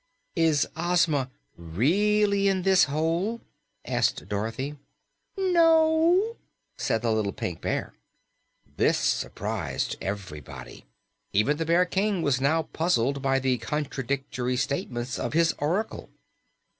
"Is Ozma REALLY in this hole?" asked Dorothy. "No," said the little Pink Bear. This surprised everybody. Even the Bear King was now puzzled by the contradictory statements of his oracle.